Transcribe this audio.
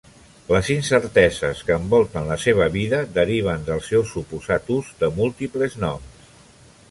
Les incerteses que envolten la seva vida deriven del seu suposat ús de múltiples noms.